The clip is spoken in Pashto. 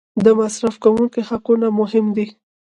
د مصرف کوونکي حقونه مهم دي.